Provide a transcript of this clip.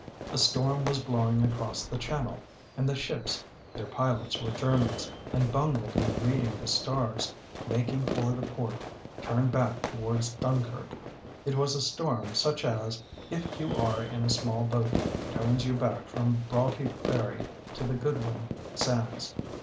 A storm was blowing across the Channel, and the ships (their pilots were Germans, and bungled in reading the stars) making for the port turned back towards Dunquerque. It was a storm such as, if you are in a small boat, turns you back from Broughty Ferry to the Goodwin Sands.